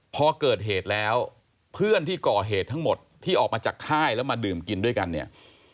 พอเกิดเหตุแล้วเพื่อนที่ก่อเหตุทั้งหมดที่ออกมาจากค่ายแล้วมาดื่มกินด้วยกันเนี่ย